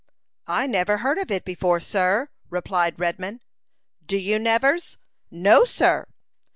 "I never heard of it before, sir," replied Redman. "Do you, Nevers?" "No, sir."